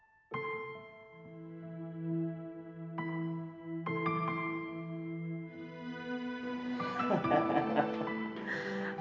aku jalan cukup